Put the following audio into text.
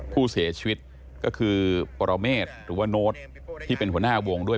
ผู้เสียชีวิตก็คือปรเมฆหรือว่าโน้ตที่เป็นหัวหน้าวงด้วย